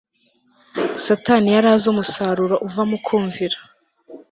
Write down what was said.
satani yari azi umusaruro uva mu kumvira